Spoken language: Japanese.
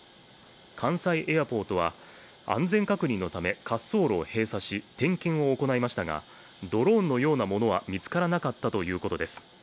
関西エアポートは安全確認のため滑走路を閉鎖し点検を行いましたがドローンのようなものは見つからなかったということです。